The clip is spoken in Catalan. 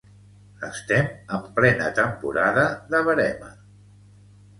Estem en plena temporada de verema.